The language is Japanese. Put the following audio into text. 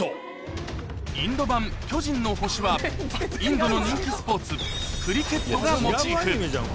インド版巨人の星は、インドの人気スポーツ、クリケットがモチーフ。